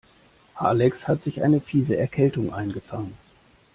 Alex hat sich eine fiese Erkältung eingefangen.